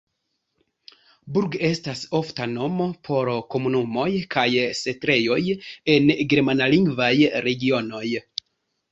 Burg estas ofta nomo por komunumoj kaj setlejoj en germanlingvaj regionoj.